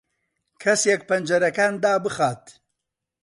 کەسێک پەنجەرەکان دابخات.